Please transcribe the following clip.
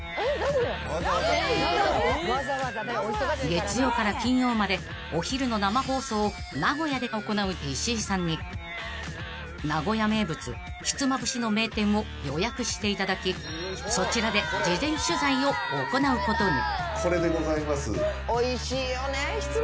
［月曜から金曜までお昼の生放送を名古屋で行う石井さんに名古屋名物ひつまぶしの名店を予約していただきそちらで事前取材を行うことに］